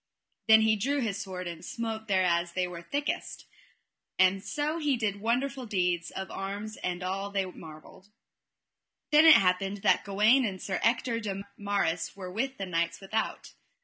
Then he drew his sword and smote thereas they were thickest, and so he did wonderful deeds of arms that all they marvelled. Then it happed that Gawaine and Sir Ector de Maris were with the knights without.